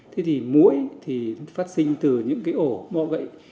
thế thì mũi thì phát sinh từ những cái ổ mọ gậy